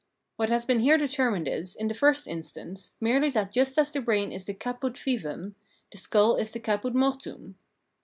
What has been here determined is, in the first instance, merely that just as the brain is the cafut vivum, the skull is the cafut mortuum.